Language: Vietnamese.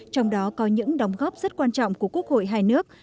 trong đó có những đóng góp rất quan trọng của quốc hội hai nước